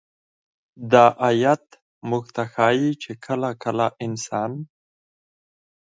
دا آيت موږ ته ښيي چې كله كله انسان